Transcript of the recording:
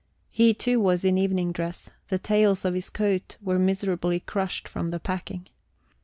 He, too, was in evening dress; the tails of his coat were miserably crushed from the packing.